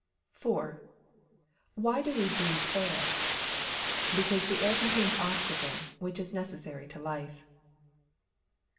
4. Why do we breathe air? Because the air contains oxygen, which is necessary to life.